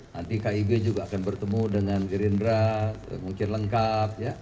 nanti kib juga akan bertemu dengan gerindra mungkin lengkap